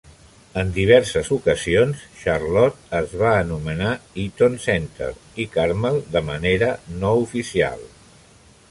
En diverses ocasions, Charlotte es va anomenar Eaton Centre i Carmel de manera no oficial.